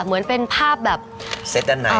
คนก็จะเต้นตามอะไรอย่างนี้ค่ะ